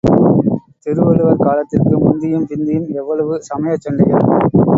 திருவள்ளுவர் காலத்திற்கு முந்தியும் பிந்தியும் எவ்வளவு சமயச் சண்டைகள்!